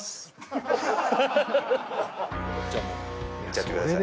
じゃあもうやっちゃってください。